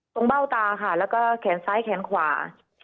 เบ้าตาค่ะแล้วก็แขนซ้ายแขนขวา